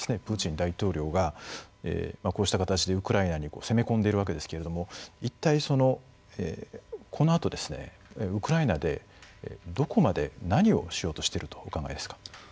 プーチン大統領がこうした形でウクライナに攻め込んでいるわけですけれども一体このあとウクライナでどこまで何をしようとしているとお考えですか？